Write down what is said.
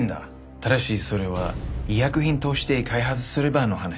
ただしそれは医薬品として開発すればの話です。